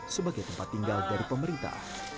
sebagai tempat tinggal dari pemerintah